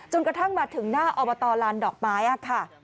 กระทั่งมาถึงหน้าอบตลานดอกไม้ค่ะ